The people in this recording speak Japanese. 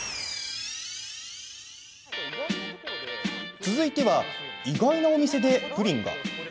続いては意外なお店でプリンが。